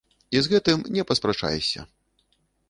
І з гэтым не паспрачаешся.